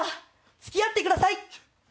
付き合ってください！